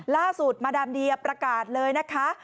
ล่าสุดมาดามเดียประกาศเลยนะคะ